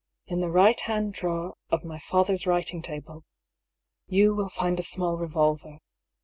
In the right hand draw of my father's writing table you will find a small revolver.